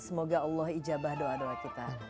semoga allah ijabah doa doa kita